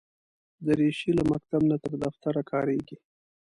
دریشي له مکتب نه تر دفتره کارېږي.